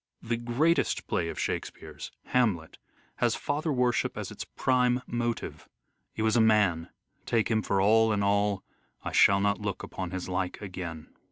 The greatest play of Shakespeare's, " Hamlet," has father worship as its prime motive :" He was a man, take him for all in all, I shall not look upon his like again."